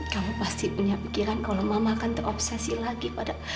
kamu pasti punya pikiran kalau mama akan terobsesi lagi pada